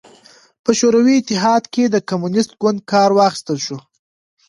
په شوروي اتحاد کې د کمونېست ګوند کار واخیستل شو.